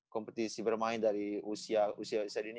kompetisi bermain dari usia usia dini